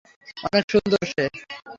অনেক সুন্দর সে।